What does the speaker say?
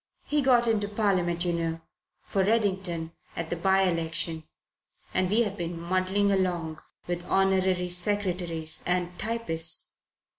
He got into Parliament, you know, for Reddington at the by election and we've been muddling along with honorary secretaries and typists.